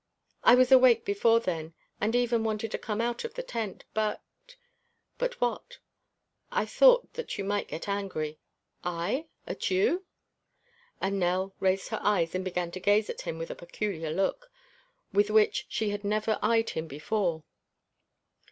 "I was awake before then and even wanted to come out of the tent, but " "But what?" "I thought that you might get angry." "I? At you?" And Nell raised her eyes and began to gaze at him with a peculiar look with which she had never eyed him before.